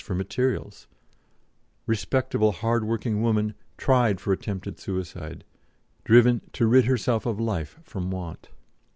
for materials; "respectable hard working woman" tried for attempted suicide, "driven to rid herself of life from want."